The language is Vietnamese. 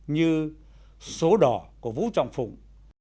như số đỏ của vũ trọng phùng